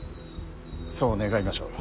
そう願いましょう。